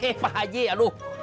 hei pak haji aduh